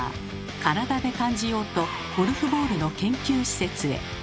体で感じようとゴルフボールの研究施設へ。